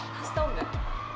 mas tau gak